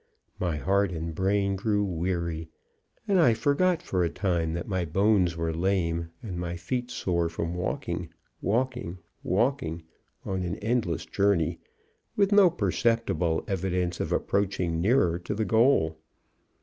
My heart and brain grew weary, and I forgot for a time that my bones were lame and my feet sore from walking, walking, walking on an endless journey, with no perceptible evidence of approaching nearer to the goal.